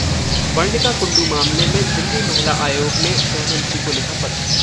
वर्णिका कुंडू मामले में दिल्ली महिला आयोग ने गृहमंत्री को लिखा पत्र